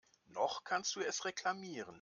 Noch kannst du es reklamieren.